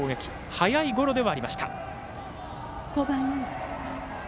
速いゴロではありました。